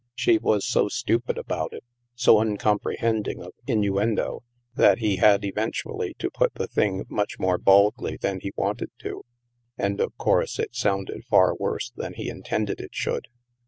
She was so stupid about it, so uncomprehending of innuendo, that he had eventually to put the thing much more baldly than he wanted to; and of course, it sounded far worse than he intended it should.